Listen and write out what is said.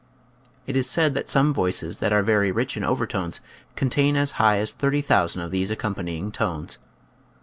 It is said that some voices that are very rich in overtones contain as high as 30,000 of these accompanying tones.